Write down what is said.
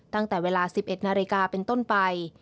ตั้งแต่เวลา๑๑นาฬิกาเป็นต้นไป